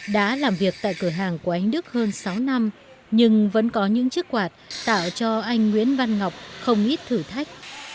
đã làm việc tại cửa hàng của anh đức hơn sáu năm nhưng vẫn có những chiếc quạt tạo cho anh nguyễn văn ngọc không ít thử thách